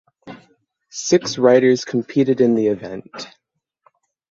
Six riders competed in the event.